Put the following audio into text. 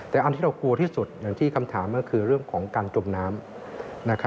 แต่อันที่เรากลัวที่สุดอย่างที่คำถามก็คือเรื่องของการจมน้ำ